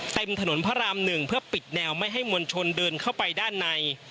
ถนนพระราม๑เพื่อปิดแนวไม่ให้มวลชนเดินเข้าไปด้านใน